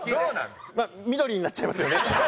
まあ緑になっちゃいますよね。